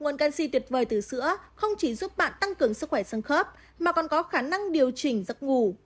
nguồn canxi tuyệt vời từ sữa không chỉ giúp bạn tăng cường sức khỏe xương khớp mà còn có khả năng điều chỉnh giấc ngủ